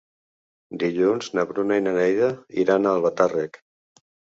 Dilluns na Bruna i na Neida iran a Albatàrrec.